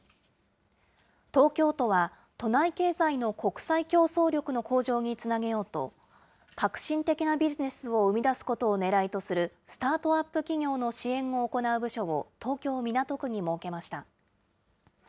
東京都は、都内経済の国際競争力の向上につなげようと、革新的なビジネスを生み出すことをねらいとする、スタートアップ企業の支援を行う部署を東京・港区に設けました。